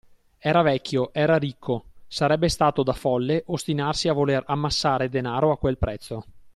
Era vecchio, era ricco, sarebbe stato da folle ostinarsi a voler ammassare denaro a quel prezzo.